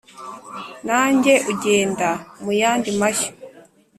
nange ugenda mu yandi mashyo